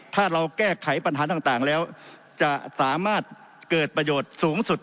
ถ้าเราแก้ไขปัญหาต่างแล้วจะสามารถเกิดประโยชน์สูงสุด